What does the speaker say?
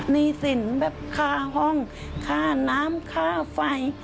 หนี้สินแบบค่าห้องค่าน้ำค่าไฟ